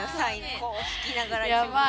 こう引きながら。